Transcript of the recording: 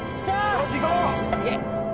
よしいこう。